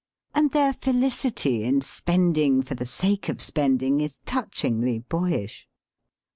And their felicity in spending for the sake of spending is touch ingly boyish.